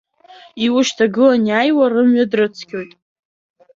Иушьҭагылан иааиуа рымҩа дрыцқьоит.